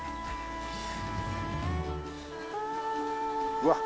うわっ！